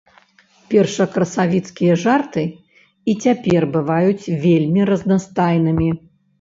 Першакрасавіцкія жарты і цяпер бываюць вельмі разнастайнымі.